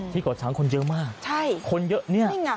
ก่อช้างคนเยอะมากใช่คนเยอะเนี่ย